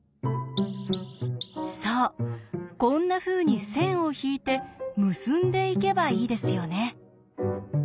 そうこんなふうに線を引いて結んでいけばいいですよね。